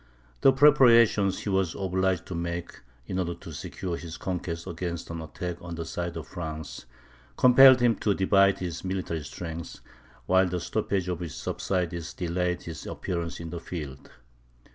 The preparations he was obliged to make, in order to secure his conquests against an attack on the side of France, compelled him to divide his military strength, while the stoppage of his subsidies delayed his appearance in the field.